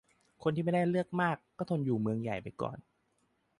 คนที่ยังเลือกไม่ได้มาก ก็ทนอยู่เมืองใหญ่ไปก่อน